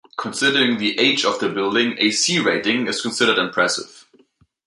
Considering the age of the building, a 'C' rating is considered impressive.